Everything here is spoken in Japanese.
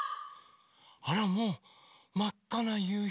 あらもうまっかなゆうひ。